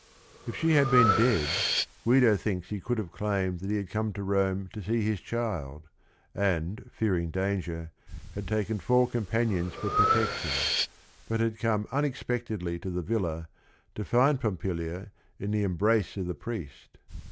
" If she had been dead, Guido thinks he could have claimed that he had come to Rome to see his child, and fearing danger, had taken four companions for protection, but had come unex pectedly to the villa to find Pompilia "in the em brace of the priest."